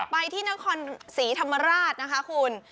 ไปที่นครศรีธรรมราชนะคะคุณ